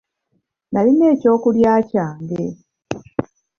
Nalina ekyokulya kyange.